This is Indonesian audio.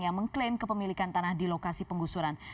yang mengklaim kepemilikan tanah di lokasi penggusuran